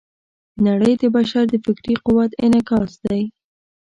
نړۍ د بشر د فکري قوت انعکاس دی.